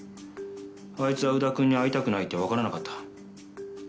あいつは宇田くんに会いたくないってわからなかった？